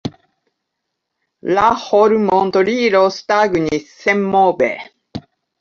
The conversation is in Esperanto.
La hormontrilo stagnis senmove.